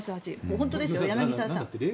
本当ですよ、柳澤さん。